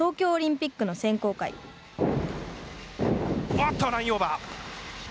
あっと、ラインオーバー。